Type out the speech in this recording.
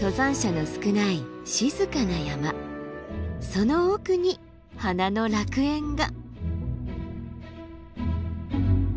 その奥に花の楽園が。